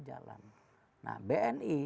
jalan nah bni